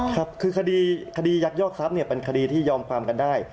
ครับคือคดียักยอกทรัพย์เป็นคดีที่ยอมความกันได้